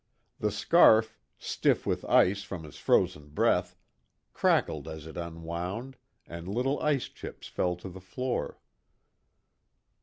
The scarf, stiff with ice from his frozen breath, crackled as it unwound, and little ice chips fell to the floor.